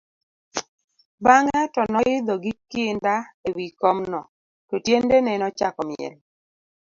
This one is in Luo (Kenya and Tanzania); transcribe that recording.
bang'e to noidho gi kinda e wi kom no, to tiendene nochako miel